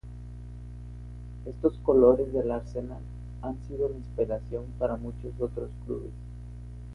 Estos colores del Arsenal han sido la inspiración para muchos otros clubes.